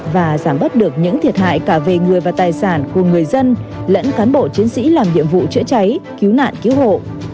và giảm bớt được những thiệt hại cả về người và tài sản của người dân lẫn cán bộ chiến sĩ làm nhiệm vụ chữa cháy cứu nạn cứu hộ